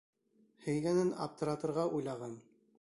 Һөйгәнен аптыратырға уйлаған